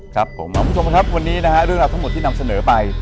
ครับผมคุณผู้ชมครับวันนี้นะฮะเรื่องราวทั้งหมดที่นำเสนอไป